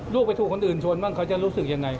ลูกไปถูกคนอื่นชนบ้างเขาจะรู้สึกยังไง